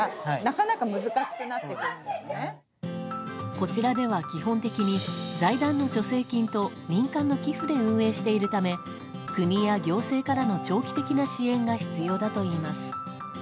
こちらでは基本的に財団の助成金と民間の寄付で運営しているため国や行政からの長期的な支援が必要だといいます。